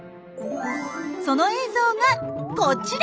その映像がこちら！